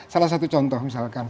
salah satu contoh misalkan